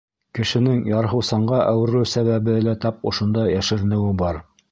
Кешенең ярһыусанға әүерелеү сәбәбе лә тап ошонда йәшеренеүе бар.